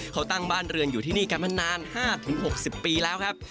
เขาตั้งบ้านเรือนอยู่ที่นี่กันมานาน๕๖๐ปีแล้วครับ